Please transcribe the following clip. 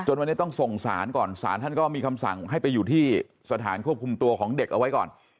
วันนี้ต้องส่งสารก่อนศาลท่านก็มีคำสั่งให้ไปอยู่ที่สถานควบคุมตัวของเด็กเอาไว้ก่อน